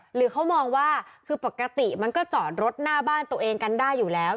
หรือเขามองว่าคือปกติมันก็จอดรถหน้าบ้านตัวเองกันได้อยู่แล้ว